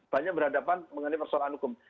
banyak berhadapan mengenai persoalan hukum